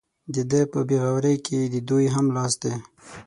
د ده په بې غورۍ کې د دوی هم لاس دی.